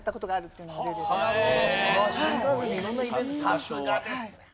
さすがですね。